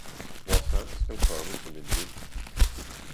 Vor sang skal komme, som en vind